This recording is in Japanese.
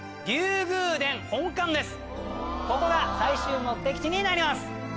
ここが最終目的地になります。